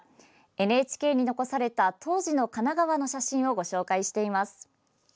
ＮＨＫに残された当時の神奈川の写真をご紹介しています。